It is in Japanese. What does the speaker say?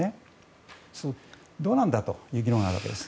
それは、どうなんだという議論があるわけです。